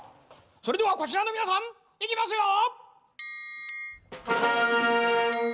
それではこちらのみなさんいきますよ！